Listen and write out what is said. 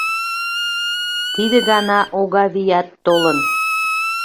Тиде гана Огавият толын.